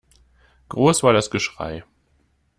Groß war das Geschrei.